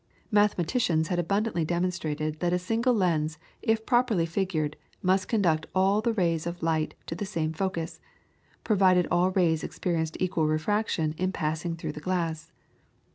Mathematicians had abundantly demonstrated that a single lens, if properly figured, must conduct all rays of light to the same focus, provided all rays experienced equal refraction in passing through the glass.